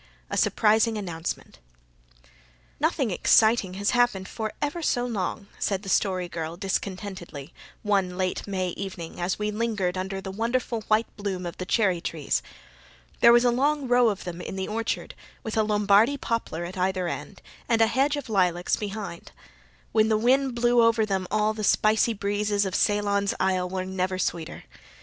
A SURPRISING ANNOUNCEMENT "Nothing exciting has happened for ever so long," said the Story Girl discontentedly, one late May evening, as we lingered under the wonderful white bloom of the cherry trees. There was a long row of them in the orchard, with a Lombardy poplar at either end, and a hedge of lilacs behind. When the wind blew over them all the spicy breezes of Ceylon's isle were never sweeter.